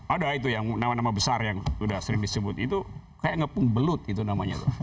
ada itu yang nama nama besar yang sudah sering disebut itu kayak ngepung belut gitu namanya